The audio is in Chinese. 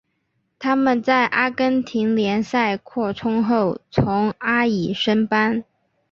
他们在阿根廷联赛扩充后从阿乙升班。